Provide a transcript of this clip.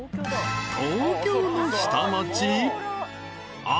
［東京の下町］